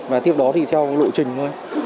và tiếp đó thì theo lộ trình thôi